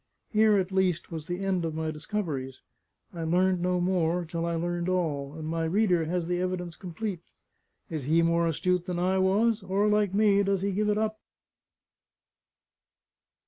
Here at least was the end of my discoveries; I learned no more, till I learned all; and my reader has the evidence complete. Is he more astute than I was? or, like me, does he give it up?